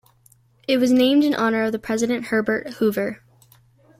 It was named in honor of President Herbert Hoover.